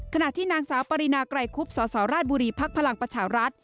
ขณะที่นางสาวปรินาไกรคุบสสราชบุรีภักดิ์พลังประชารัฐ